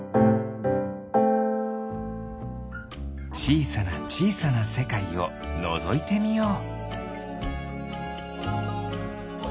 ちいさなちいさなせかいをのぞいてみよう。